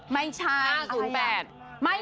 ไม่ใช่๐๘